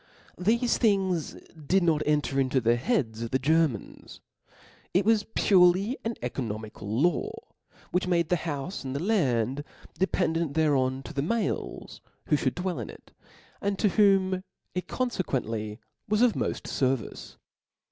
Thefe things did nor enter into the heads of the Germans ; ic was purely an oeco nomical law, which gave the houfe and the land dependent thereon, to the males who ihould dwell in ic, and to whom it confcquently was of moft fcrvice.